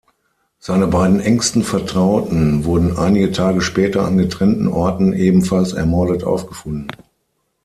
Seine beiden engsten Vertrauten wurden einige Tage später an getrennten Orten ebenfalls ermordet aufgefunden.